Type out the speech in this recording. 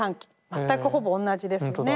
全くほぼ同じですよね。